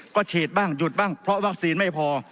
ก็ฉีดบ้างหยุดบ้างเพราะวัคซีนไม่พอ